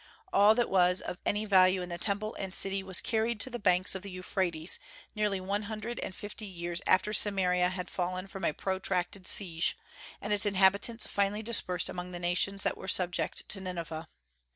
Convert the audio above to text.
All that was of any value in the Temple and city was carried to the banks of the Euphrates, nearly one hundred and fifty years after Samaria had fallen from a protracted siege, and its inhabitants finally dispersed among the nations that were subject to Nineveh.